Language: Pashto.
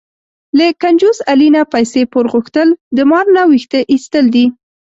له کنجوس علي نه پیسې پور غوښتل، د مار نه وېښته ایستل دي.